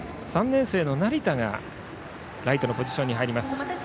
３年生の成田がライトのポジションに入ります。